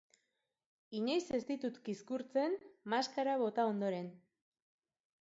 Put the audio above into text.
Inoiz ez ditut kizkurtzen maskara bota ondoren.